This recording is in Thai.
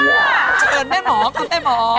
เชิญแม่หมอกับแม่หมอ